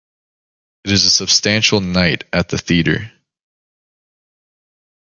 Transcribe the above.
It is a substantial night at the theatre.